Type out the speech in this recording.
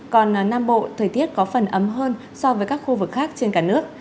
còn nam bộ thời tiết có phần ấm hơn so với các khu vực khác trên cả nước